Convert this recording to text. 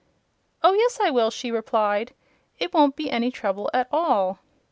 "Oh, yes I will," she replied. "It won't be any trouble at all."